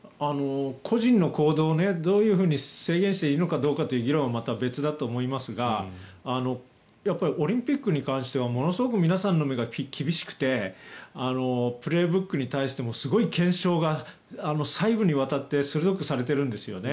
個人の行動をどういうふうに制限していいのかという議論はまた別だと思いますがやっぱりオリンピックに関してはものすごく皆さんの目が厳しくて「プレーブック」に対してもすごく検証が細部にわたって鋭くされてるんですよね。